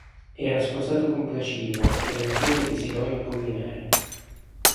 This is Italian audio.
Era sposato con Placidina, pronipote di Sidonio Apollinare.